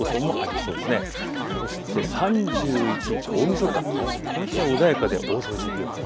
そして３１日、大みそか、この日は穏やかで大掃除日和です。